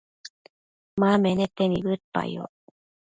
ma menete nibëdpayoc